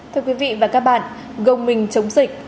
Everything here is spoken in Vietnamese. thưa quý vị và các bạn gồng mình chống dịch